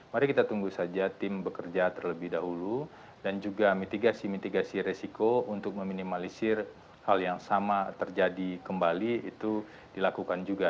mari kita tunggu saja tim bekerja terlebih dahulu dan juga mitigasi mitigasi resiko untuk meminimalisir hal yang sama terjadi kembali itu dilakukan juga